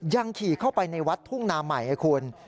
ขี่เข้าไปในวัดทุ่งนาใหม่ให้คุณ